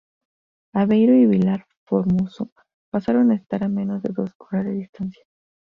Aveiro y Vilar Formoso pasaron a estar a menos de dos horas de distancia.